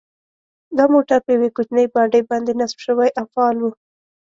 دا موټر په یوې کوچنۍ باډۍ باندې نصب شوی او فعال و.